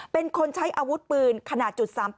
เป็นคนใช้อาวุธปืนขนาด๓๘